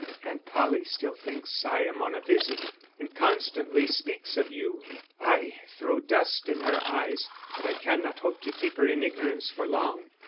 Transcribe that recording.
_ _Aunt Polly still thinks I am on a visit, and constantly speaks of you. I throw dust in her eyes, but I cannot hope to keep her in ignorance for long.